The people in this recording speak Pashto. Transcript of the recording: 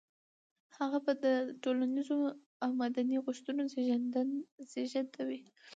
هغه به د ټولنيزو او مدني غوښتنو زېږنده وي.